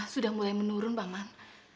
sudah mulai menurun pak man